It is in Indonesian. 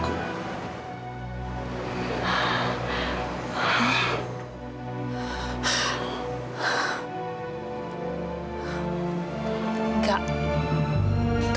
aku ingat kamu istriku